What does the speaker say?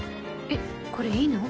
えっこれいいの？